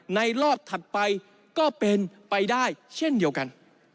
ในรอบถัดไปก็เป็นไปได้เช่นเดียวกัน